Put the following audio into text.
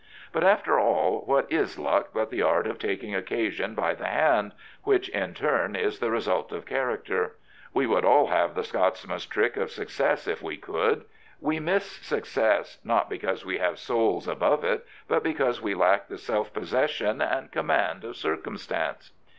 But, after all, what is luck but the art of taking occasion by the hand, which in turn is the result of character? We would all have the Scots man's trick of success if we could. We miss success, not because we have souls above it, but because we lack the self possession and command of circumstance.